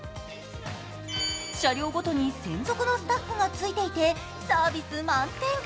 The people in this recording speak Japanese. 車両ごとに専属のスタッフがついていて、サービス満点。